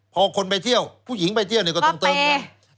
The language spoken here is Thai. พอคนไปเที่ยวผู้หญิงไปเที่ยวเนี่ยก็ต้องเติมไง